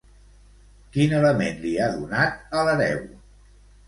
Quin element li ha donat a l'hereu?